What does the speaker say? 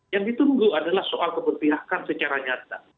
yang ditunggu adalah soal keberpihakan secara nyata